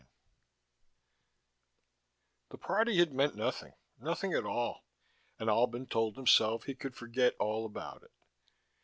6 The party had meant nothing, nothing at all, and Albin told himself he could forget all about it.